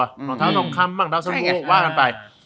น้องเท้าน้องคำมั่งเท้าซักโลกว่ากันไป